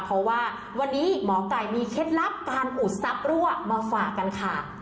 เพราะว่าวันนี้หมอไก่มีเคล็ดลับการอุดทรัพย์รั่วมาฝากกันค่ะ